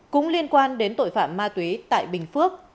cũng liên quan đến tội phạm ma túy tại bình phước